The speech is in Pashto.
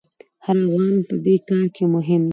هر افغان په دې کار کې مهم دی.